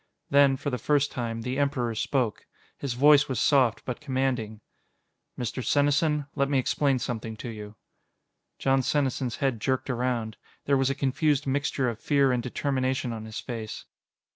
Then, for the first time, the Emperor spoke. His voice was soft, but commanding. "Mr. Senesin, let me explain something to you." Jon Senesin's head jerked around. There was a confused mixture of fear and determination on his face.